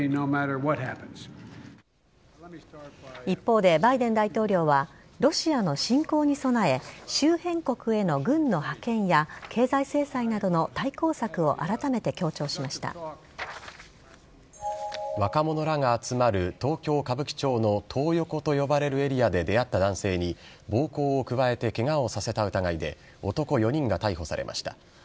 一方で、バイデン大統領はロシアの侵攻に備え、周辺国への軍の派遣や、経済制裁などの対抗策を改めて強調しました若者らが集まる、東京・歌舞伎町のトー横と呼ばれるエリアで出会った男性に、暴行を加えてけがをさせた疑いで、男４人が逮捕されました。